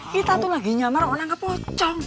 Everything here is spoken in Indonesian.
kita tuh lagi nyamar orang orang ke pocong